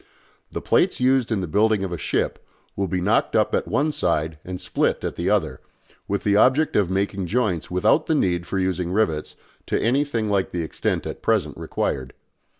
The plates used in the building of a ship will be "knocked up" at one side and split at the other, with the object of making joints without the need for using rivets to anything like the extent at present required.